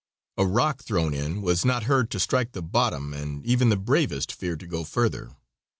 A rock thrown in was not heard to strike the bottom, and even the bravest feared to go further.